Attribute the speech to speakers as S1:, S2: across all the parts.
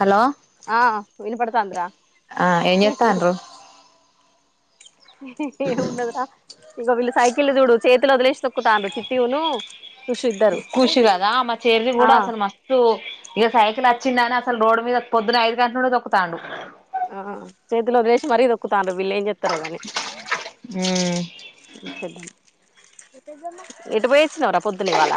S1: Hello
S2: ఆ వినపడుతాందిరా
S1: ఆ ఏమిచేస్తాండ్రు?
S2: ఇహి హి ఏం ఉన్నది రా? ఇగో వీళ్ళు సైకిల్ చూడు చేతులు వదిలేసి తొక్కుతాండ్రు చిట్టీను
S1: ఖుషి కదా మా చెర్రీ
S2: ఆ
S1: కూడా అసలు మస్తు ఇగ సైకిల్ అచ్చిందని అసలు రోడ్డు మీద పొద్దున ఐదు గంటల నుండి తొక్కుతాండు.
S2: ఆ చేతులో వదిలేసి మరి తొక్కుత తాండ్లు వీళ్లు ఏం చేతారో గానీ
S1: మ్మ్
S2: ఎటు పోయిచ్చినవరా పొద్దున్న ఇవాళ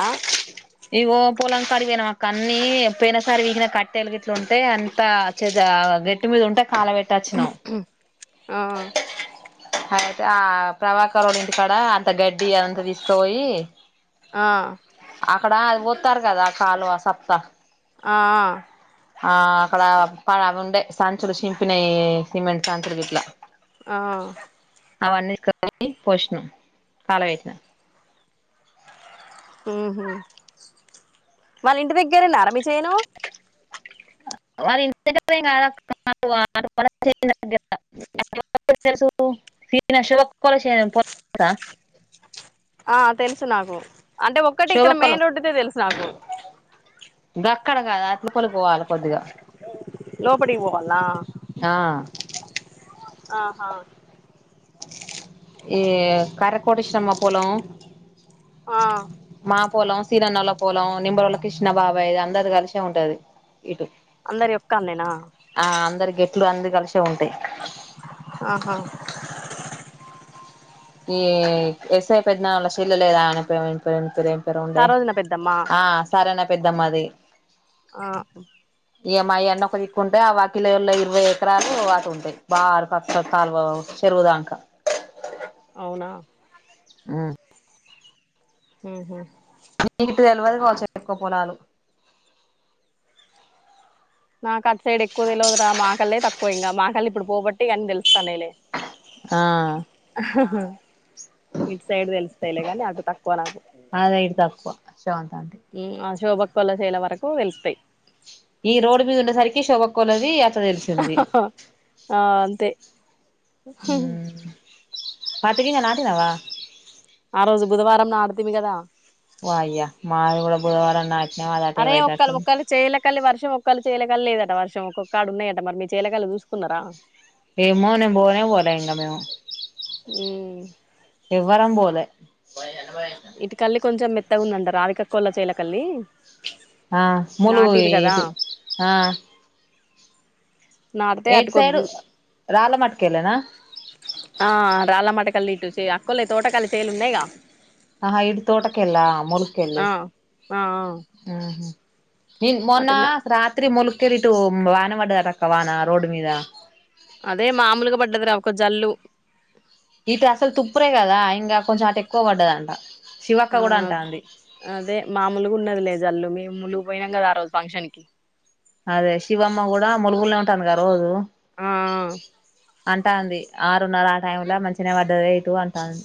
S1: ఇగో పోలం కాడికి పోయినం అ కన్నీ పోయిన సారి పికిన కట్టేలు గిట్లు ఉంటే అంత చ గట్టి మీద ఉంటే కాలవెట్టాచ్చినము
S2: ఆ
S1: అయితే ఆ ప్రవాకరోల్ల ఇంటికాడ అంత గడ్డి అదంత తీసుకపోయి
S2: ఆ
S1: అక్కడ అది పోత్తరు కదా కాలువ ఆ సత్తా
S2: ఆ ఆ
S1: ఆ అక్కడ అవి ఉండే సంచులు చింపినాయి సిమెంట్ సంచులు గిట్ల
S2: ఆ
S1: అవన్నీ తీసుకపోయి పోశినం కాల పెట్టిన
S2: ఉమ్ హు వాళ్ళ ఇంటి దగ్గరే నారా మీ చేను
S1: వాళ్ళ ఇంటి దగ్గరది ఏం కాదక్క వల్ల చేను దగ్గర చేను [unintelligible]
S2: ఆ తెలుసు నాకు అంటే ఒక్కటి ఇక్కడ
S1: శివక్కలు
S2: మెయిన్ రోడ్డుతే తెలుసు నాకు
S1: గక్కడ కాదు అట్ లోపలికి పోవాలి కొద్దిగా
S2: లోపటికీ పోవల
S1: ఆ
S2: ఆహా
S1: ఏ కర్రె కోడిచ్చినమ్మా పొలం
S2: ఆ
S1: పోలం సినన్నల్ల పొలం నింబరుల కృష్ణ బాబాయి ది అందరిది కలిసే ఉంటది. ఇటు
S2: అందరి యొక్క అన్నేనా
S1: ఆ అందరి గెట్లు అన్ని కలిసే ఉంటాయి.
S2: ఆహా
S1: ఈ ఎస్ఐ పెద్దనాన్న వోలె సెల్లే లేదా ఆమె పేరు ఏం పే రో ఉండే
S2: సరోజన పెద్దమ్మ
S1: ఆ సరేనా పెద్దమ్మాది
S2: ఆ
S1: ఇగ మాయి అన్ని ఒక దిక్కుంటాయి ఆ వాకిలల్లో ఇరవై ఎకరాలు అటు ఉంటాయి బా అటు కాలువ చెరువుదాంకా
S2: అవునా
S1: ఆ
S2: ఉహు
S1: నీకు ఇటు తెలివది కావచ్చు ఎక్కువ పొలాలు
S2: నాకు అటు సైడ్ ఎక్కువ తెలువదు రా మాకళ్లేే తక్కువ ఇంకా మాకల్లే ఇప్పుడు పోబట్టి అని తెలుసు తెలుస్తాన్నయి లే
S1: ఆ
S2: ఇటు సైడ్ తెలుస్తాయిలే కానీ అటు తక్కువ నాకు
S1: అంతా అంతే
S2: శోభక్క కొల చేల వరకు వెలుస్తాయి.
S1: ఈ రోడ్డు మీద ఉండే సరికి శోబొక్కలది త్త తెలిసింది
S2: ఆ అంతే
S1: పత్తి గింజలు నాటినవా
S2: ఆ రోజు బుధవారం నాడుతిమి కదా
S1: ఓ అయ్యా మాది కూడా బుధవారం నా
S2: అరే ఒక్కలు మొక్కలు చేయలే ఒక్కలి వర్షం ఒక్కళ్ళీ చెలకల లేదట వర్షం ఒక్కొకడ ఉన్నాయట మరి మీ చేలకల చూసుకున్నర
S1: ఎమ్మో నేను బోనే వోలె ఇంగా మేము
S2: ఉ
S1: ఎవ్వరం బోలే
S2: ఇటుకల్లి కొంచెం మెత్తగున్నంట రాధికక్కోళ్ళ చెలకల్లి
S1: ఆ ముూలు ఎతు ఆ
S2: నాడితే
S1: ఎటు సైడు
S2: అటుకొద్దు
S1: రాళ్ళ మట్టుకెళ్ళేనా
S2: ఆ రాల మాట కల్లి ఇటు చే అక్కోలై తోటకాల చేలు ఉన్నాయిగా
S1: ఆహా ఇడు తోటకెల్లా ములుకెల్లి
S2: ఆ ఆ
S1: ఆహా నిం మొన్న
S2: అటున్న
S1: రాత్రి ములుకు కెరిటు వాన పడ్డదక్క వానా రోడ్డు మీద
S2: అదే మామూలుగా పడ్డది రా ఒక జల్లు
S1: ఇటు అసలు తుప్పురే కదా ఇంకా కొంచెం అటు ఎక్కువ పడ్డదంట శివక్క
S2: ఆ
S1: కూడా అంటాంది
S2: అదే మామూలుగా ఉన్నది లే జల్లు మీ ములుగు పోయినాం కదా ఆ రోజు ఫంక్షన్ కి
S1: అదే శివమ్మ కూడా ములుగుల్నే ఉంటాంది కద రోజు
S2: ఆ
S1: అంటాంది ఆరున్నార ఆ టైంలా మంచినే వడ్డదే ఇటు అంటంది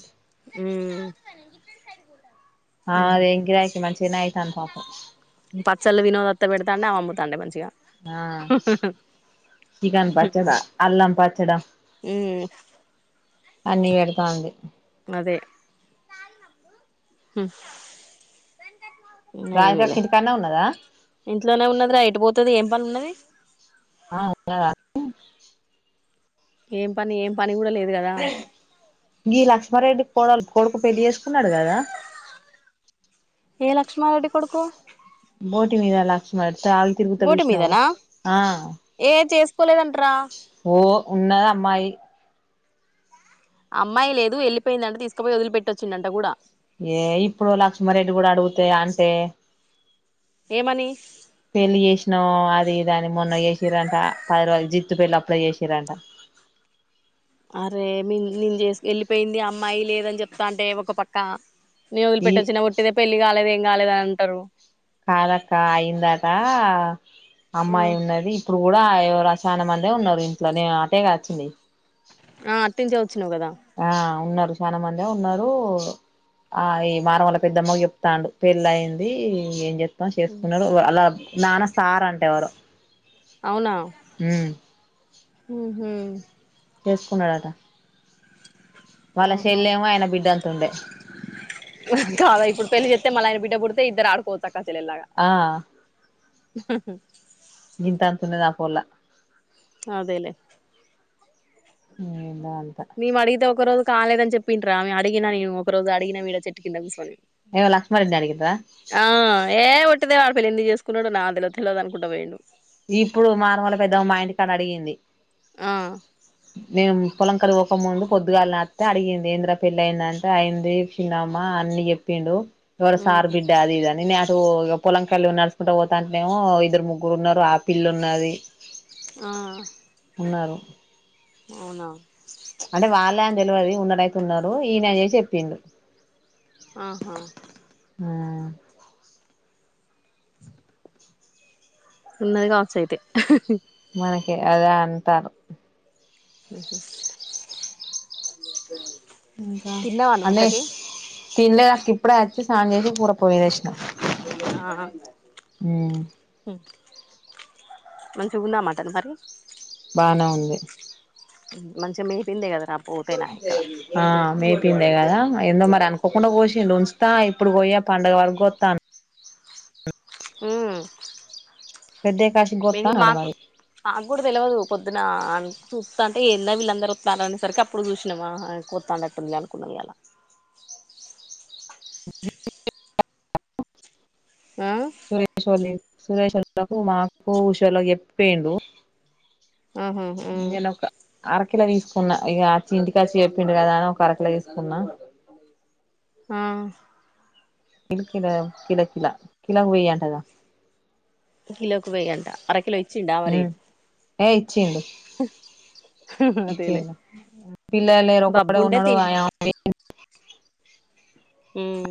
S2: ఉమ్
S1: ఆ
S2: ఉహు
S1: అదేం గిరాకీ మంచిగానే అయితంది పాపం
S2: చల్లు వినోదత్త పెడుతాండే ఆమే అమ్ముతాండే మంచిగా
S1: ఆ చికెన్ పచ్చడా అల్లం పచ్చడ
S2: [inaudible]
S1: అన్నీ పెడుతంది
S2: అది హ ఉన్న
S1: రాధికక్క
S2: ఏమీలే
S1: ఇంటికాన్నే ఉన్నదా
S2: ఇంట్లోనే ఉన్నది రా ఎటు పోతది ఏం పని ఉన్నది
S1: ఆ ఉన్నదా
S2: ఏం పని ఏం పని కూడా లేదు కదా
S1: గి లక్ష్మ రెడ్డి కోడలు కోడుకు పెళ్లి చేసుకున్నాడు కదా
S2: ఏ లక్ష్మరెడ్డి కొడుకు
S1: బోటి మీద లక్ష్మా రెడ్డి త్రాగి తిరుగుతాడు
S2: బోటి
S1: చూసినవా
S2: కొలేదంట్ర
S1: ఉన్నది అమ్మాయి
S2: అమ్మాయి లేదు వెళ్ళిపోయిందంట తీసుకపోయి వదిలిపెట్టొచ్చిండంట కూడా
S1: ఏ ఇప్పుడు లక్ష్మ రెడ్డి కూడా అడుగుతే అంటే
S2: ఏమని
S1: పెళ్లి చేసినవ్ అది దాని మొన్న చేసిరంట పది రోజుల జిత్తు పెళ్ళి అప్పుడే చేసిరంట
S2: అరే మేము నిన్ చేసి వెళ్ళిపోయింది అమ్మాయి లేదని చెప్తా అంటే ఒక పక్క నేను వదిలి
S1: ఈ
S2: పెట్టోచ్చినా ఒట్టిదే పెళ్లి కాలేదు ఏం కాలేదు అంటరు
S1: కాదక్క అయిందాట అమ్మాయి ఉన్నది ఇప్పుడు కూడా ఎవరసాయన మందే ఉన్నారు ఇంట్లో నేను అటేగా వచ్చింది.
S2: ఆ అటునుంచే వచ్చినవ్ కదా
S1: ఉన్నరు చాలా మంది ఉన్నారు. ఆ ఈ మన వల్ల పెద్దమ్మ కు చెప్తాండు పెళ్లి అయింది. ఏం చెప్ మొత్తం చేసుకున్నారు అలా నానా సార్ అంటే ఎవరో
S2: అవునా
S1: ఉమ్
S2: ఉహు
S1: చేసుకున్నాడట వాళ్ళ
S2: ఆహ
S1: చెల్లేమో ఆయన బిడ్డంత ఉండే
S2: కాదా ఇప్పుడు పెళ్లి చెత్తే మళ్ళా ఆయన బిడ్డ పుడుతు ఇద్దరు ఆడుకోచ్చు అక్కాచెల్లెలాగా
S1: ఆ జింతా తన్నదా పోలే
S2: అదేలే
S1: ఉ
S2: నేము అడిగితే ఒక రోజు కాలేద అని చెప్పింట్రా. ఆమె అడిగిన నేను ఒక రోజు అడిగినా మీడ చెట్టుకింద కూసొని.
S1: ఏయవో లక్ష్మ రెడ్ని అడిగిర
S2: ఏ ఒట్టిదే వాడు పెళ్ళ ఎన్ని చేసుకున్నాడో నా తెలివదు తెల్వదు అనుకుంట పోయిండు.
S1: ఇప్పుడు మాన వల్ల పెద్ద మా ఇంటి కాన్నా అడిగింది.
S2: ఆ
S1: మేం పొలంకరు ఒ ఒక ముందు పొద్దుగాలని వత్తె అడిగింది. ఏందిరా పెళ్లి అయింది. అంటే అయింది చిన్నమ్మా అన్ని చెప్పిండు. ఇవరు సార్ బిడ్డ అది ఇదాని అటు పొలంకల్ నడుస్కుంట పోతాంటనేవో ఇద్దరు ముగ్గురు ఉన్నరు. పిల్లున్నది
S2: ఆ
S1: న్నారు
S2: అవునా
S1: అంటే వాళ్ళే అని తెల్వదు. ఉన్నడైతే ఉన్నారు ఈనని చేసి చెప్పిండు.
S2: ఆహా
S1: ఆ
S2: ఉన్నది కావచ్చు అయితే
S1: అనకే అదే అంతారు
S2: అ
S1: ఇంకా
S2: నువ్వు
S1: అనేష్
S2: ఇంతకీ
S1: తిన్లేదు అక్క ఇప్పుడే వచ్చి స్నానం చేసి కూర పోయ్యి మీదేసిన
S2: ఆ
S1: ఉ
S2: మంచిగుందా మటన్ మరి
S1: బానే ఉంది
S2: మంచిగా మీ పింది కదా
S1: ఆ మీ చెప్పిందే కదా ఏందో మరి అనుకోకుండా పోసిండు ఉంచుతా ఇప్పుడు పోయా పండుగ వరకు వత్తా
S2: ఉ
S1: పెద్ద కాశికి
S2: మీ
S1: కోత్తా అన్నాడు
S2: మాకు
S1: మరి
S2: మాగ్గూడా తెల్వదు పొద్దు అ చూస్తా అంటే ఏందో వీళ్ళందరూ వత్తాన్నారు. అనేసరికి అప్పుడు చూసినామా కొత్తానట్టు అనుకున్నాం ఇయాల. [inaudible] ఆ
S1: సరే సోలే సురేష్ అకు మాకు ఉషలో చెప్పిపోయిండు
S2: ఆహ ఉ
S1: నేను ఒక అరకిలో తీసుకున్నా ఇకచ్చి ఇంటికాచ్చి చెప్పిండు కదా అని ఒక అరకిలో తీసుకున్నా.
S2: ఆ
S1: ఇల్ కిలా కిలకిల కిలా వెయ్యి అంటగా
S2: కిలోకి వెయ్యంట అర కిలో ఇచ్చిండా మరీ
S1: ఉమ్ పిల్లల్లేరు ఒక్కడే
S2: బబ్బుండే
S1: ఉన్నడు [inaudible]
S2: తిన్
S1: [inaudible] [inaudible]
S2: ఉమ్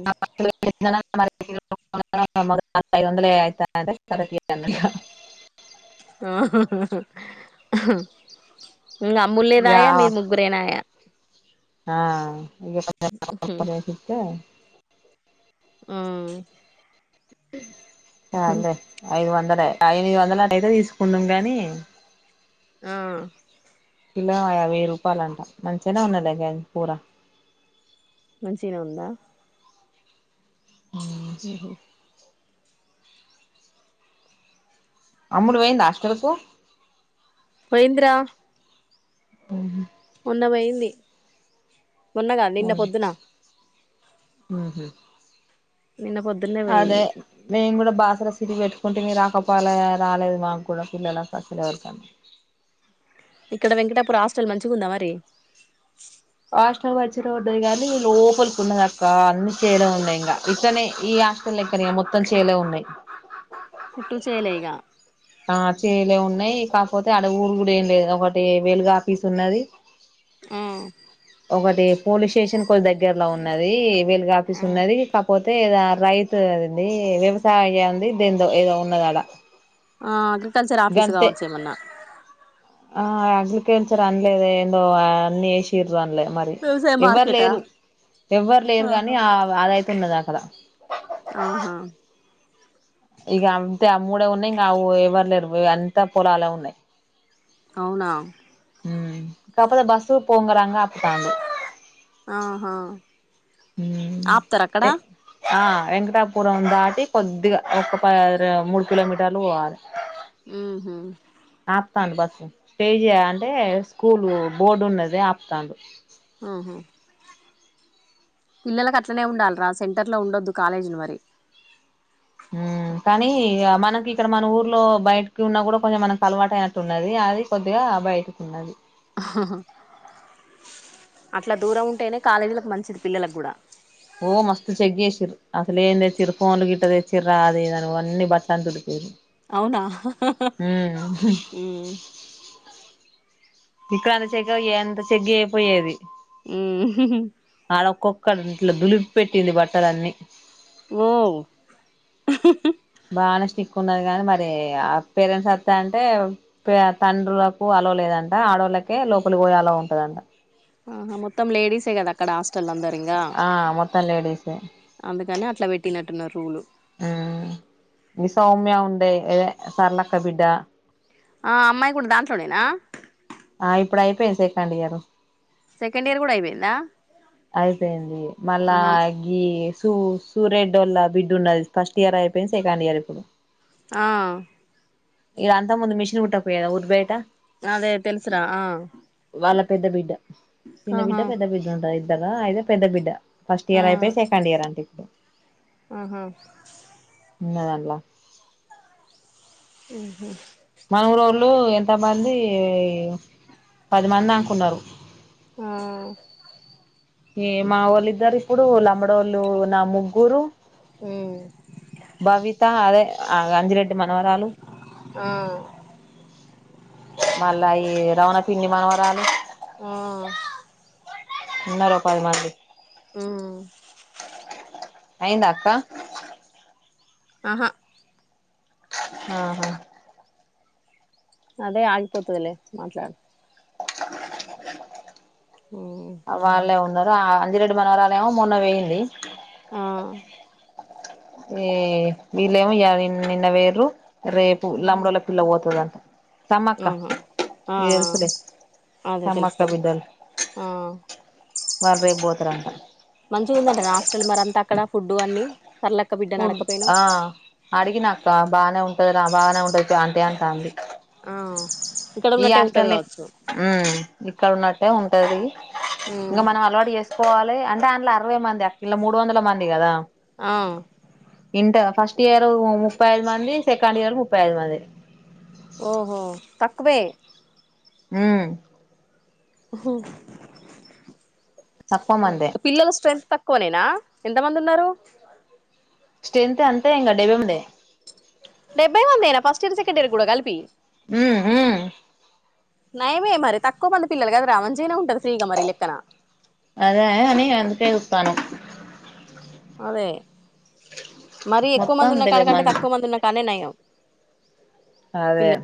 S1: ఐదొందలే అయితా అంటే సరే తీ [unintelligible]
S2: ఆ ఇంగ అమ్ముల్
S1: ఇగ
S2: లేదాయే మీరు ముగ్గురేనాయా
S1: ఆ ఇగ
S2: ఉమ్
S1: [unintelligible]
S2: ఊమ్
S1: ఆల్లే ఐదు వంద ఐనిది వందలు అయితే తీసుకున్నం గానీ
S2: ఆ
S1: కిలా యాభై రూపాలంట మంచిగనే ఉన్నది గాని కూర
S2: మంచిగనే ఉందా ఉహు
S1: అమ్ములు వొయింద హాస్టలుకు
S2: పొయింద్రా
S1: ఊహు
S2: ఉన్న వొయింది మొన్నగా నిన్న పొద్దున
S1: ఊహు
S2: నిన్న పొద్దున్నే
S1: అదే
S2: పోయింది
S1: మేన్ గుడా బాసర సిరి వెట్టుకుంటిమి రాకపోలే రాలేదు మా గూడా పిల్లలక్ అసలే ఎవరికన్నా
S2: ఇక్కడ వెంకటాపూర హాస్టల్ మంచిగుందా మరి
S1: ఆస్టల్ మంచినే ఉన్నది గానీ లోపలికి ఉన్నదక్కా అన్ని చేలే ఉన్నాయి ఇంగ ఇట్టనే ఈ ఆశ్టల్ లెక్కనే మొత్తం చేలే ఉన్నయ్
S2: పుట్టూ చేలే ఇగా
S1: ఆ చేలే ఉన్నయ్ కాపోతే ఆడ ఊరు గూడా ఏం లేదు ఒకటి వెలుగు ఆపీస్ ఉన్నది
S2: ఆ
S1: ఒకటీ పోలీస్ స్టేషన్ కొ దగ్గరలో ఉన్నదీ వేలుగు ఆపీస్ ఉన్నదీ కాపోతె తేరా రైతు అదుందీ వ్యవసాయం ది దేందో ఉన్నదాడ
S2: ఆ అగ్రికల్చర్ ఆఫీసు గావచ్చు ఏమన్న
S1: ఆ అగ్రికల్చర్ అన్లేదు ఏందో అన్ని ఏసిరు అన్లే మరి
S2: వ్యవసాయ
S1: ఎవ్వరు
S2: మార్కెటా
S1: లేరు ఎవ్వరు లేరు గానీ
S2: ఆహా
S1: ఆవ్ అదైతే ఉన్నది అక్కడ
S2: ఆహా
S1: ఇగ అంతే ఆ మూడే ఉన్నయ్ ఇంగవ్ ఎవరు లేరు అంత పొలాలే ఉన్నయ్
S2: అవునా
S1: కాపోతే బస్సు పోంగ రాంగ ఆపుతాండు
S2: ఆహా
S1: హ్మ్
S2: ఆపుతరా అక్కడ
S1: ఆ వెంకటాపురం దాటి కొద్దిగ ఒక్క పారా మూడు కిలోమీటర్లు వోవాలె
S2: ఊహు
S1: తాండు బస్సు తేజి అంటే స్కూల్ బోర్డు ఉన్నది ఆపుతాండు
S2: ఆహ పిల్లలలకు అట్లనే ఉండాల్రా సెంటర్లో ఉండొద్దు కాలేజిలు మరి
S1: హ్మ్ కానీ ఇ ఆ మనకి ఇక్కడ మన ఊర్లో బయటకి ఉన్న గూడా కొంచెం మనకు అలవాటు అయినట్టు ఉన్నది అది కొద్దిగా ఆ బయటకు ఉన్నది
S2: ఉ హు అట్లా దూరం ఉంటేనే కాలేజీలకు మంచిది పిల్లలకు కూడా
S1: ఓ మస్తు చెక్ చేసిర్రు అసలే ఏం తెచ్చారు ఫోన్లు గిట్ట తెచ్చిండ్రా అది ఇది అన్నీ బట్టలు దులిపిండ్రు
S2: ఉ
S1: ఇక్కడ అంత చెకప్ అక్కడ ఎంత చెకప్ చెయ్యకపోయేది
S2: ఉ హు
S1: అక్కడ ఇంట్లో దులిపి పెట్టింది బట్టలన్నీ
S2: ఓ
S1: బానే స్టిక్ ఉన్నది కాని మరి ఆ పేరెంట్స్ అత్తా అంటే తండ్రులకు ఆలో లేదంట ఆడోళ్ళకే లోపలి పోయే ఆలో ఉంటదంట
S2: ఆహా మొత్తం లేడీసే కదా అక్కడ హాస్టల్ అందరు ఇంగా
S1: ఆ మొత్తం లేడీసే
S2: అందుకని అట్లా పెట్టినట్టున్నారు రులు
S1: మీ సౌమ్య ఉండే అదే సరళక్క బిడ్డ
S2: ఆ అమ్మాయి కూడా దాంట్లోనేనా
S1: ఆ ఇప్పుడు అయిపోయింది సెకండ్ ఇయర్
S2: సెకండ్ ఇయర్ కూడా అయిపోయిందా
S1: అయిపోయింది మళ్ళా
S2: ఆహా
S1: గీ సూ సూరెడోల్ల బిడ్డ ఉన్నది ఫస్ట్ ఇయర్ అయిపోయింది సెకండ్ ఇయర్ ఇప్పుడు
S2: ఆ
S1: ఈడ అంతకుముందు మిషిన్ కుట్టకపోయేదా ఊరి బయట
S2: అదే తెలుసురా ఆ
S1: వాళ్ళ పెద్ద బిడ్డ చిన్న బిడ్డ
S2: ఆహా
S1: పెద్ద బిడ్డ ఉంటది ఇక్కడ అయితే పెద్ద బిడ్డ ఫస్ట్
S2: ఆ
S1: ఇయర్ అయిపోయి సెకండ్ ఇయర్ అంట ఇప్పుడు
S2: ఆహా
S1: ఉన్నదల్లా
S2: ఉహు
S1: మన ఊరోళ్ళు ఎంత మంది పది మంది అనుకున్నారు
S2: ఆ
S1: ఏ మా వోళ్ళిద్దరిప్పుడు ఇప్పుడు లంబడోళ్లు వాళ్ళు నా ముగ్గురు
S2: ఉమ్
S1: భవిత అదే ఆ అంజిరెడ్డి మనవరాలు
S2: అబ్బా
S1: మళ్ళా ఈ రవణ పిన్ని మనవరాలు
S2: ఆ
S1: ఉన్నారు ఓ పది మంది
S2: ఉ
S1: అయిందా అక్క
S2: ఆహా
S1: ఆహా
S2: అదే ఆగిపోతదిలే మాట్లాడు ఉమ్
S1: అ వాళ్ళే ఉన్నా ఉన్నరు ఆ అంజిరెడ్డి మనవరాలు ఏమో మొన్న పోయింది
S2: ఆ
S1: ఏ వీళ్ళేమో ఈయాల్ నిన్న పోయిండ్రు రేపు లంబాడోళ్ళ పిల్ల పోతదట
S2: అవున ఆ
S1: తెలుసులే
S2: ఆ అదే
S1: సమ్మక్క
S2: తెలుస్తాది
S1: బిడ్డలు
S2: ఆ
S1: వాళ్ళు రేపు పోతారంట
S2: మంచిగా ఉందంటాన హాస్టల్ మరి అంతా అక్కడ ఫుడ్డు అన్నీ
S1: ఆ అడిగినా అక్క బానే ఉంటాది రా బాగానే ఉంటాది అంతే అంటాంది
S2: అవ్
S1: ఈ హాస్టల్ ఏ ఇక్కడ ఉన్నట్టే ఉంటాది
S2: ఉమ్
S1: ఇంకా మనం అలవాటు చేసు పోవాలి అంటే అందులో అరవై మంది ఆ మూడు వందల మంది కదా
S2: ఆ
S1: ఇంటర్ ఫ ఫస్ట్ ఇయర్ ముప్పై ఐదు మంది సెకండ్ ఇయర్ ముప్పై ఐదు మంది
S2: ఓహో తక్కువే
S1: మ్మ్ తక్కువ మందే
S2: పిల్లల స్ట్రెంత్ ఎంత కోనేనా ఎంతమంది ఉన్నారు
S1: స్ట్రైంత్ అంతే ఇంకా డేబ్బె మూడే
S2: డెబ్బై మందేనా ఫస్ట్ ఇయర్ సెకండ్ ఇయర్ కూడా కలిపి
S1: మ్మ్ హ్మ్
S2: నాయమే మరి తక్కువ మంది పిల్లలు కదా రా మంచిగానే ఉంటాది ఫ్రీ గా ఉంటాది మరి లెక్కన
S1: అదే అని అందుకే చూత్తాన్నం
S2: అదే మరి ఎక్కువ మంది
S1: మొత్తం డెబ్బై
S2: ఉన్నకాడికంటే తక్కువ మంది ఉన్న కానే నయం
S1: అదే
S2: పిల్లలు